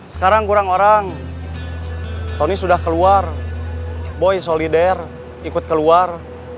sekarang kurang orang tony sudah keluar boy solider ikut keluar